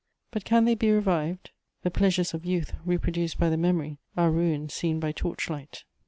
But can they be revived? The pleasures of youth reproduced by the memory are ruins seen by torchlight.